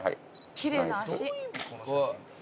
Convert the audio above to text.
「きれいな脚」